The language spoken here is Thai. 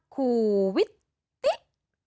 คูวิตติ๊ะ